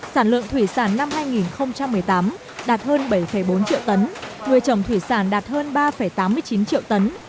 sản lượng thủy sản năm hai nghìn một mươi tám đạt hơn bảy bốn triệu tấn nuôi chồng thủy sản đạt hơn ba tám mươi chín triệu tấn